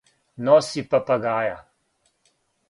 Носи папагаја.